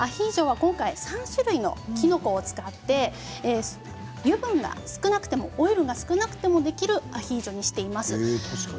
今回３種類のきのこを使って油分が少なくてもオイルが少なくてもできるアヒージョにしています。